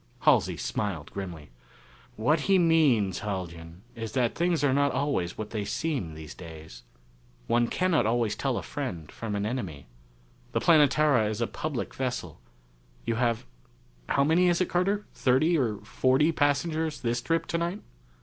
Halsey smiled grimly. "What he means, Haljan, is that things are not always what they seem these days. One cannot always tell a friend from an enemy. The Planetara is a public vessel. You have how many is it, Carter? thirty or forty passengers this trip tonight?"